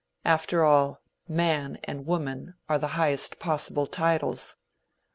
After all, man and woman are the highest possible titles.